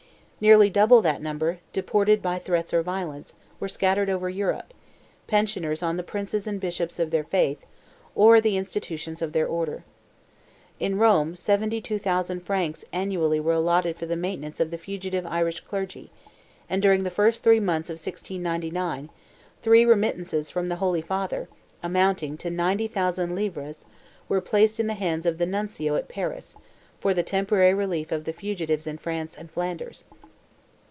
Nearly double that number, deported by threats or violence, were scattered over Europe, pensioners on the princes and bishops of their faith, or the institutions of their order. In Rome, 72,000 francs annually were allotted for the maintenance of the fugitive Irish clergy, and during the first three months of 1699, three remittances from the Holy Father, amounting to 90,000 livres, were placed in the hands of the Nuncio at Paris, for the temporary relief of the fugitives in France and Flanders.